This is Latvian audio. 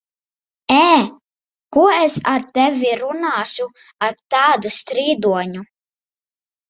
Ē! Ko es ar tevi runāšu, ar tādu strīdoņu?